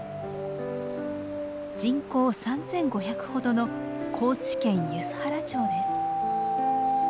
人口３，５００ほどの高知県梼原町です。